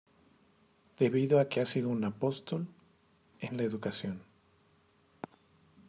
Debido a que ha sido un apóstol en la educación.